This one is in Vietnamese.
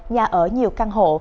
nhà ở nhiều căn hộ